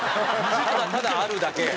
ただただあるだけ。